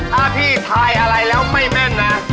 ถ้าพี่ทายอะไรแล้วไม่แม่นนะ